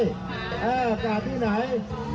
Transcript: จากที่ไหน